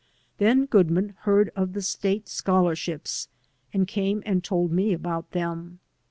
Then Goodman heard of the State scholarships and came and told me about them.